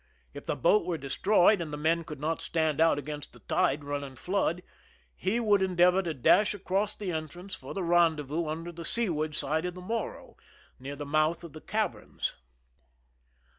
If the boat were destroyed and the men could not stand out against the tide running flood, he would endeavor to dash across the entrance for the rendezvous under the seaward side of the Morro, near the mouth of the caverns.